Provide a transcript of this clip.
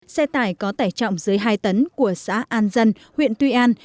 xe tải có tải trọng dưới hai tấn của xã an dân huyện tuy an